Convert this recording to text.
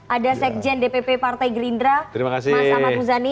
ada sekjen dpp partai gerindra mas ahmad muzani